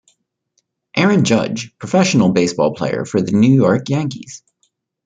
Aaron Judge, professional baseball player for the New York Yankees.